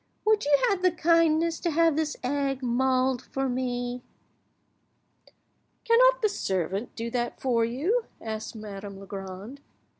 Would you have the kindness to have this egg mulled for me?" "Cannot your servant do that for you?" asked Madame Legrand.